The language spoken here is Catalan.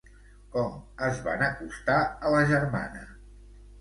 Com es van acostar a la germana?